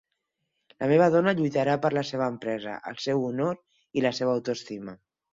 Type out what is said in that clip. La meva dona lluitarà per la seva empresa, el seu honor i la seva autoestima.